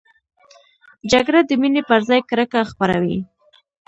جګړه د مینې پر ځای کرکه خپروي